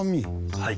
はい。